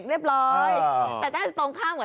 เด็กเลยแต่ได้ตรงข้ามกับคุณ